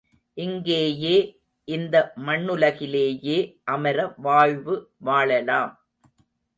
இங்கேயே இந்த மண்ணுலகிலேயே அமர வாழ்வு வாழலாம்.